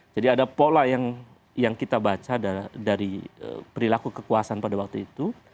jadi ada pola yang kita baca dari perilaku kekuasaan pada waktu itu